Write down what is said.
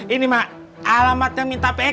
ini mak alamatnya minta pk